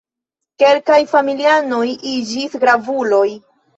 Kelkaj familianoj iĝis gravuloj.